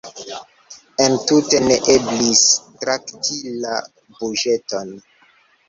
Entute ne eblis trakti la buĝeton.